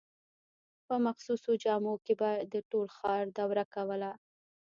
په مخصوصو جامو کې به د ټول ښار دوره کوله.